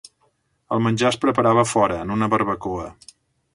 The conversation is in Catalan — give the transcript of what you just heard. El menjar es preparava a fora, en una barbacoa.